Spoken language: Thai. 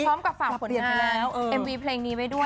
พร้อมกับฝั่งผลงานเอ็มวีเพลงนี้ไว้ด้วย